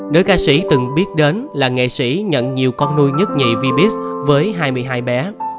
nơi ca sĩ từng biết đến là nghệ sĩ nhận nhiều con nuôi nhất nhị v beast với hai mươi hai bé